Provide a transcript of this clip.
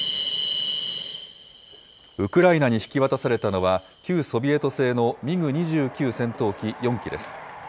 ウクライナに引き渡されたのは、旧ソビエト製のミグ２９戦闘機４機です。